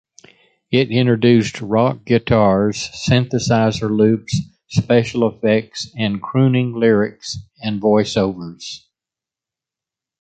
It introduced rock guitars, synthesizer loops, special effects, and crooning lyrics and voice overs.